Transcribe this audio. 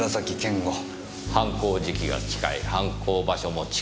犯行時期が近い犯行場所も近い。